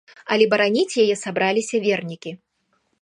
Але бараніць яе сабраліся вернікі.